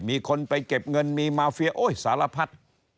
มีคนไปเก็บเงินมีมาเฟียโอ๊ยสารพัด